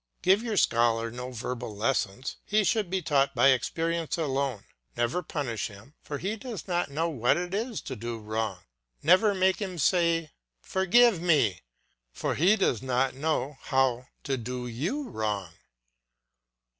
Give your scholar no verbal lessons; he should be taught by experience alone; never punish him, for he does not know what it is to do wrong; never make him say, "Forgive me," for he does not know how to do you wrong.